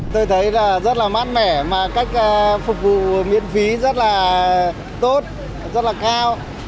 tôi thấy là rất là mát mẻ mà cách phục vụ miễn phí rất là tốt rất là cao